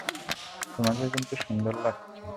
তোমাকে কিন্তু সুন্দর লাগছে।